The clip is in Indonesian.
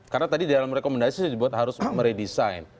karena tadi dalam rekomendasi dibuat harus meredesain